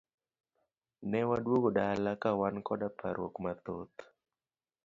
Ne waduogo dala kawan koda parruok mathoth.